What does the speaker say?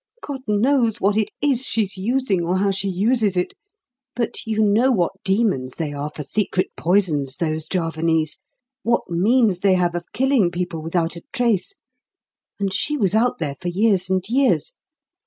God knows what it is she's using or how she uses it; but you know what demons they are for secret poisons, those Javanese, what means they have of killing people without a trace. And she was out there for years and years.